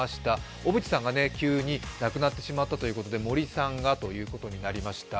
小渕さんが急に亡くなってしまったということで森さんがということになりました。